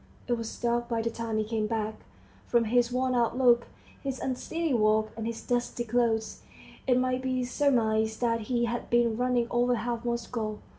It was dark by the time he came back. From his worn out look, his unsteady walk, and his dusty clothes, it might be surmised that he had been running over half Moscow.